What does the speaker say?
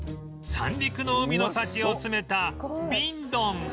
三陸の海の幸を詰めた瓶ドン